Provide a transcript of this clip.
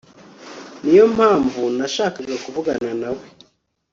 niyo mpamvu nashakaga kuvugana nawe